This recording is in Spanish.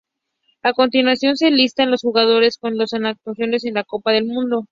A continuación se listan los jugadores con más anotaciones en la Copa del Mundo.